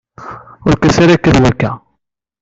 Ur kkat ara akka d wakka.